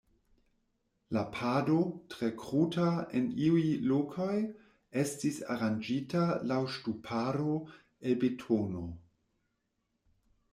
La pado, tre kruta en iuj lokoj, estis aranĝita laŭ ŝtuparo el betono.